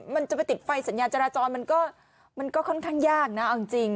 มันจะไปติดไฟสัญญาจราจรมันก็ค่อนข้างยากนะเอาจริง